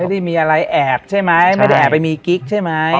ไม่ได้มีอะไรแอบใช่ไหมไม่ได้แอบไปมีกิ๊กใช่ไหม